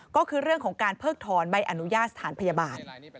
ก็คือเรื่องของการเพิกถอนใบอนุญาตสถานพยาบาล